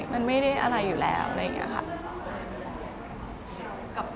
มันไม่ได้อะไรอยู่แล้วอะไรอย่างนี้ค่ะ